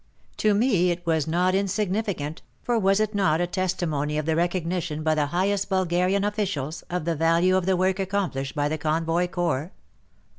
To me it was not insignificant, for was it not a testimony of the recognition by the highest Bulgarian officials, of the value of the work accomplished by the Convoy Corps